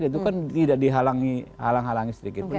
tidak dihalangi sedikit